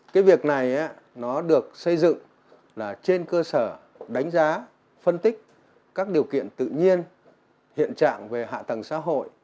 cái việc này nó được xây dựng là trên cơ sở đánh giá phân tích các điều kiện tự nhiên hiện trạng về hạ tầng xã hội